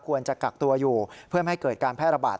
จะกักตัวอยู่เพื่อไม่ให้เกิดการแพร่ระบาด